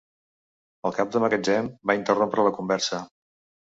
El cap del magatzem va interrompre la conversa.